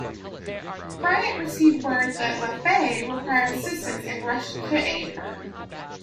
"Bryant" received word that "Laffey" required assistance and rushed to aid her.